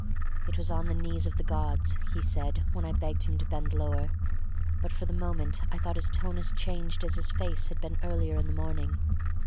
It was on the knees of the gods, he said, when I begged him to bend lower, but for the moment I thought his tone as changed as his face had been earlier in the morning.